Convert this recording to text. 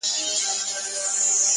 څرخ یې وخوړ او کږه سوه ناببره!.